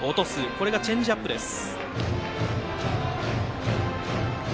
今のはチェンジアップです。